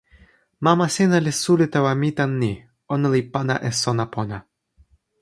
mama sina li suli tawa mi tan ni: ona li pana e sona pona.